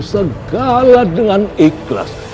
segala dengan ikhlas